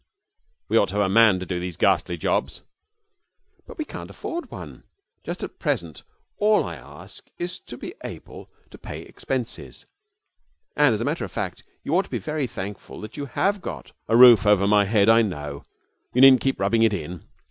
'We ought to have a man to do these ghastly jobs.' 'But we can't afford one. Just at present all I ask is to be able to pay expenses. And, as a matter of fact, you ought to be very thankful that you have got ' 'A roof over my head? I know. You needn't keep rubbing it in.'